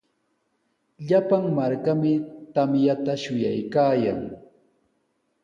Llapan markami tamyata shuyaykaayan.